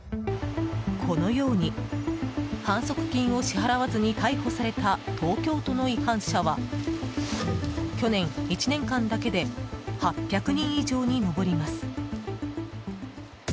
このように反則金を支払わずに逮捕された東京都の違反者は去年１年間だけで８００人以上に上ります。